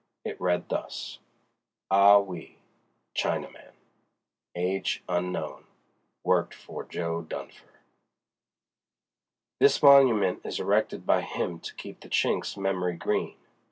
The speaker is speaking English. It read thus: AH WEE—CHINAMAN. Age unknown. Worked for Jo. Dunfer. This monument is erected by him to keep the Chink's memory green.